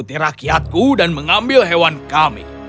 mereka menangkap rakyatku dan mengambil hewan kami